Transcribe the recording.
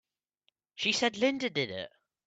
She said Linda did it!